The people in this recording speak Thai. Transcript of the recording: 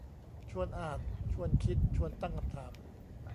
ชวนอ่าน ชวนคิด ชวนตั้งคำถาม